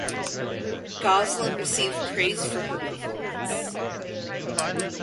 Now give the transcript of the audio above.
Gosselin received praise for her performance.